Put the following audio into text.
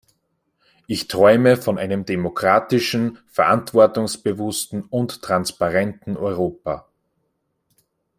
Ich träume von einem demokratischen, verantwortungsbewussten und transparenten Europa.